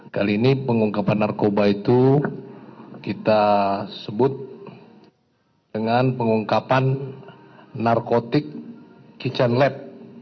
kali ini pengungkapan narkoba itu kita sebut dengan pengungkapan narkotik kitchen lab